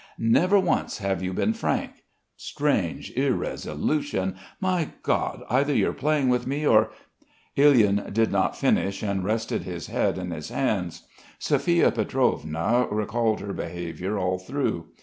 Never once have you been frank. Strange irresolution. My God, either you're playing with me, or...." Ilyin did not finish, and rested his head in his hands. Sophia Pietrovna recalled her behaviour all through.